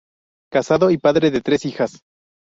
Casado y padre de tres hijas.